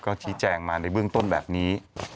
ก็ชี้แจงมาในเบื้องต้นแบบนี้